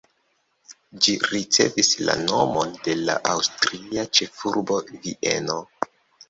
Ĝi ricevis la nomon de la aŭstria ĉefurbo Vieno.